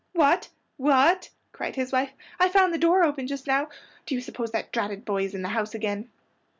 "What? What?" cried his wife, "I found the door open just now. Do you suppose that dratted boy is in the house again?"